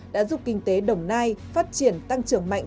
đã giúp kinh tế đồng nai phát triển tăng trưởng mạnh